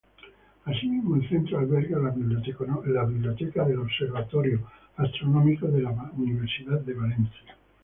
Asimismo, el centro alberga la biblioteca del Observatorio Astronómico de la Universidad de Valencia.